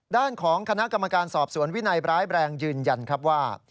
ด้านของคณะกรรมการสอบสวนวินัยร้ายแบรนด์ยืนยันครับว่า